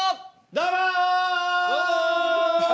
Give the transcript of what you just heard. どうも！